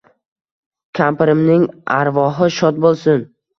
Kampirimning arvohi shod bo‘lsin.